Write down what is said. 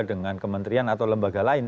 dengan kementerian atau lembaga lain